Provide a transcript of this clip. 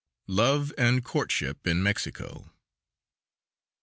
LOVE AND COURTSHIP IN MEXICO.